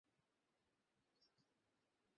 আরেকটা কথা শোনো।